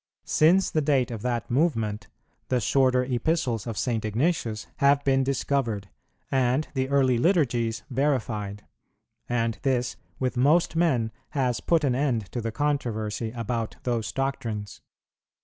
Since the date of that movement, the shorter Epistles of St. Ignatius have been discovered, and the early Liturgies verified; and this with most men has put an end to the controversy about those doctrines.